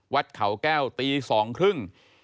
วัดเขาแก้วตีสองครึ่ง